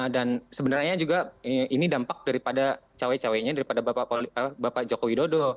dan sebenarnya juga ini dampak daripada cowek coweknya daripada bapak jokowi dodo